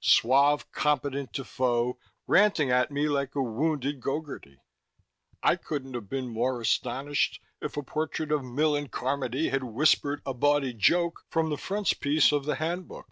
Suave, competent Defoe, ranting at me like a wounded Gogarty! I couldn't have been more astonished if the portrait of Millen Carmody had whispered a bawdy joke from the frontispiece of the Handbook.